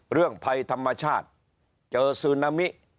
เรื่องภัยธรรมชาติเจอซึนามิ